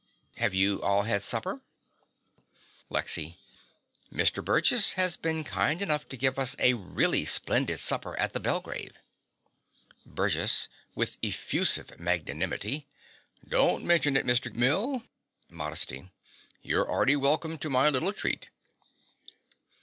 Have you all had supper? LEXY. Mr. Burgess has been kind enough to give us a really splendid supper at the Belgrave. BURGESS (with effusive magnanimity). Don't mention it, Mr. Mill. (Modestly.) You're 'arty welcome to my little treat.